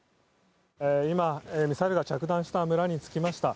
今ミサイルが着弾した村に着きました。